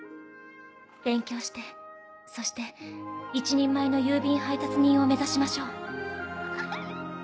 勉強してそして一人前の郵便配達人を目指しましょう。